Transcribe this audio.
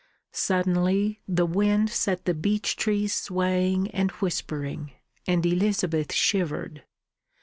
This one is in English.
Suddenly the wind set the beech trees swaying and whispering, and Elizabeth shivered.